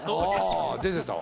あ出てたわ。